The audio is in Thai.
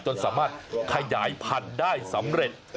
จนสามารถขยายพันธุ์ได้สำเร็จ